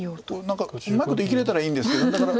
何かうまいこと生きれたらいいんですけど。